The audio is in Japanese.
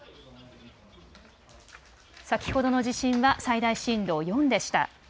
先ほどの地震は最大震度４でした。